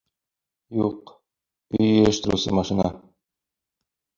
— Юҡ, өй йыйыштырыусы машина!